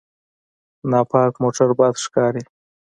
ناپاک موټر بد ښکاري.